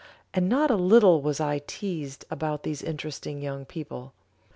and not a little was I teased about these interesting young people.